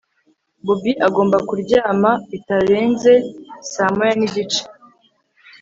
Bobby agomba kuryama bitarenze saa moya nigice